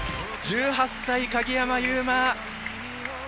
１８歳・鍵山優真！